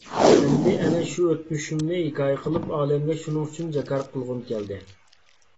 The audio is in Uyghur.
ئەمدى ئەنە شۇ ئۆتمۈشۈمنى ھېكايە قىلىپ، ئالەمگە شۇنىڭ ئۈچۈن جاكار قىلغۇم كەلدى.